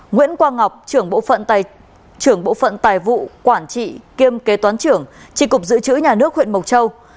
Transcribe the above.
nguyễn quang ngọc trưởng bộ phận tài vụ quản trị kiêm kế toán trưởng tri cục giữ chữ nhà nước huyện mộc châu